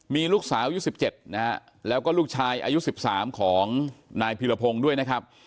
มีลูกสาวอายุ๑๗นะฮะแล้วก็ลูกชายอายุ๑๓ของนายพีรพงศ์ด้วยนะครับ